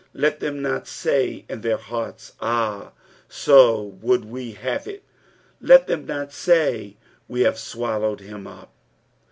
25 Let them not say in their hearts, Ah, so would we have it : let them not say, We have swallowed him up.